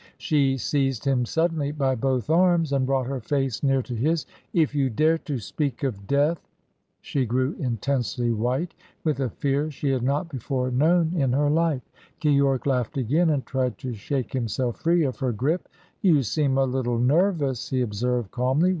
She seized him suddenly by both arms, and brought her face near to his. "If you dare to speak of death " She grew intensely white, with a fear she had not before known in her life. Keyork laughed again, and tried to shake himself free of her grip. "You seem a little nervous," he observed calmly.